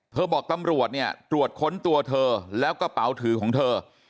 เธอบอกตำรวจจะตรวจค้นตัวเธอแล้วก็เปล่าถือของเธอ